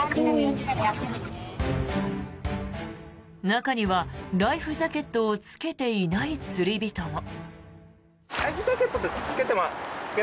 中にはライフジャケットを着けてない釣り人も。